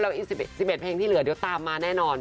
แล้วอีก๑๑เพลงที่เหลือเดี๋ยวตามมาแน่นอน